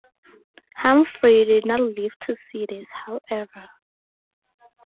Humfrey did not live to see this, however.